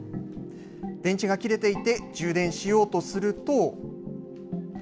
電池が切れていて、充電しようとすると。